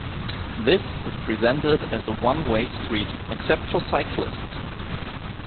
This is presented as a 'one-way street, except for cyclists'.